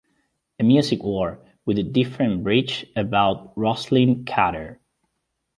A Music War, with a different bridge about Rosalynn Carter.